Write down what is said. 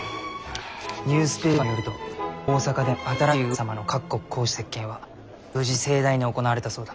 ニュースペーパーによると大坂での新しい上様の各国公使との接見は無事盛大に行われたそうだ。